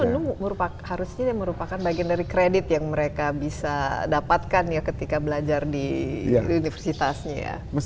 menu harusnya merupakan bagian dari kredit yang mereka bisa dapatkan ya ketika belajar di universitasnya ya